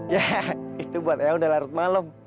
ya itu buat eyang udah larut malem